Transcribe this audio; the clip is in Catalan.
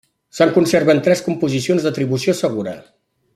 Se'n conserven tres composicions d'atribució segura.